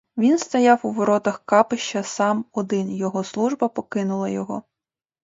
Він стояв у воротах капища сам-один, його служба покинула його.